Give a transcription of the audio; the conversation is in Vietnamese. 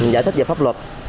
giải thích về pháp luật